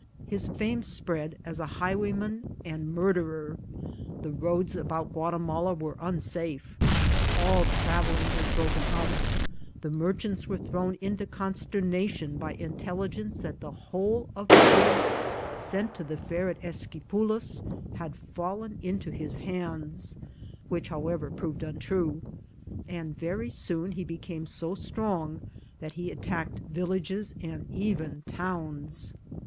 His fieune Bptead as a hi^wayman and murderer ; the roads about Guatimala were unsafe ; aU travelling was broken up ; the merchants were thrown into consternation by intelligence that the wbole of the goods sent to the fair at Esquipuks bad fallen into his hands (which, however, proved untrue) ; and very soon he became so strong that he attacked villages and even towns.